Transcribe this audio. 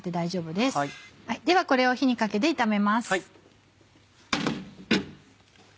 ではこれを火にかけて炒めます。